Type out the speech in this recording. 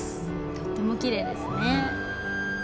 とってもきれいですね。